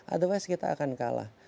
otherwise kita akan kalah